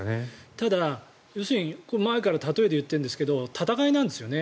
ただ、要するに前から例えで言ってるんですが戦いなんですよね